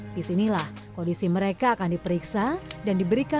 di sinilah kondisi mereka akan diperiksa dan diberikan